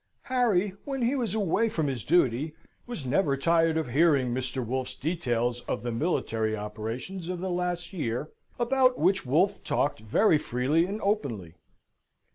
Harry, when he was away from his duty, was never tired of hearing Mr. Wolfe's details of the military operations of the last year, about which Wolfe talked very freely and openly.